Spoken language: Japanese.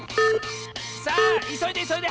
さあいそいでいそいで！